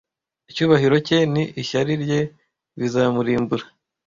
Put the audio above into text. icyubahiro cye ni ishyari rye bizamurimbura